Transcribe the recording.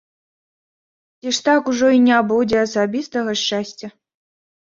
Ці ж так ужо й не будзе асабістага шчасця?